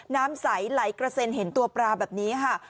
น้ำใสไหลกระเซ็นเห็นตัวปลาแบบนี้ค่ะ